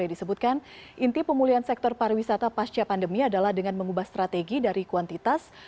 disebutkan inti pemulihan sektor pariwisata pasca pandemi adalah dengan mengubah strategi dari kuantitas